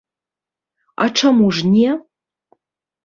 А чаму ж не.